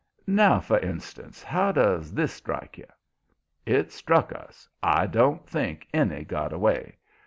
Now, for instance, how does this strike you?" It struck us I don't think any got away.